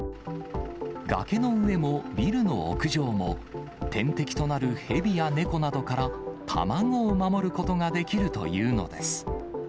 崖の上もビルの屋上も、天敵となる蛇や猫などから卵を守ることができるというのです。